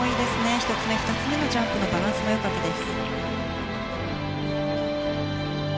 １つ目、２つ目のジャンプのバランスがよかったです。